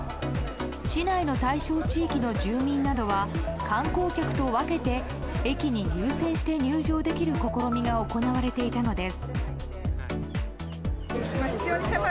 市内の対象地域の住民などは観光客と分けて駅に優先的に入場できる試みが行われていたのです。